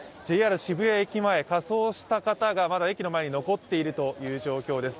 渋谷駅前、仮装した方がまだ駅の前に残っているという状況です。